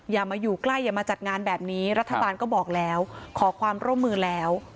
อย่ามาอยู่ใกล้อย่ามาจัดงานแบบนี้รัฐบาลก็บอกแล้วขอความร่วมมือแล้ว